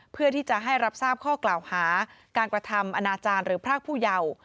เพื่อที่จะให้รับทราบข้อกล่าวหาการกระทำอนาจารย์หรือพรากผู้เยาว์